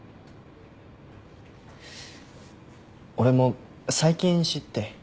俺も最近知って。